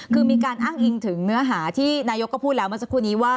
คือมีการอ้างอิงถึงเนื้อหาที่นายกก็พูดแล้วเมื่อสักครู่นี้ว่า